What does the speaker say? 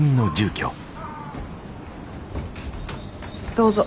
どうぞ。